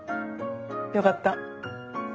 よかった。